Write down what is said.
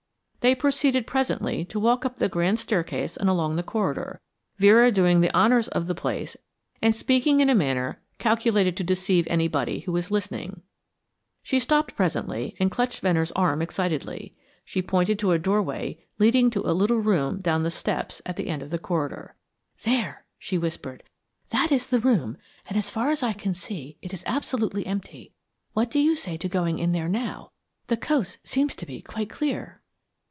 They proceeded presently to walk up the grand staircase and along the corridor, Vera doing the honors of the place and speaking in a manner calculated to deceive anybody who was listening. She stopped presently and clutched Venner's arm excitedly. She pointed to a doorway leading to a little room down the steps at the end of the corridor. "There," she whispered, "that is the room, and, as far as I can see, it is absolutely empty. What do you say to going in there now? The coast seems to be quite clear."